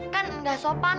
kan udah sopan